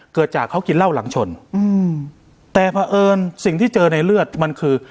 เกิดจากเขากินเหล้าหลังชนอืมแต่เพราะเอิญสิ่งที่เจอในเลือดมันคือ